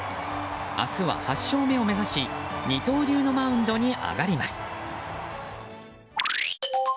明日は８勝目を目指し二刀流のマウンドに上がります。